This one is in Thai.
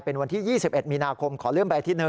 เป็นวันที่๒๑มีนาคมขอเลื่อนไปอาทิตย์